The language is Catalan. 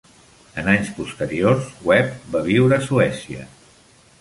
En anys posteriors, Webb va viure a Suècia.